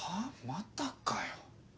またかよ